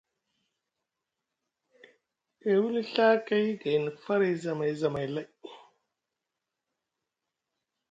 E wili Ɵaakay gayni faray zamay zamay lay.